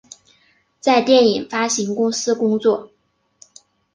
在电影发行公司工作。